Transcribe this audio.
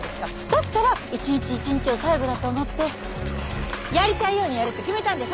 だったら一日一日を最後だと思ってやりたいようにやるって決めたんです！